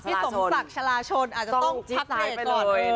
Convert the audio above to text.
พี่สมศักราชนอาจจะต้องจิ๊กซ้ายไปเลย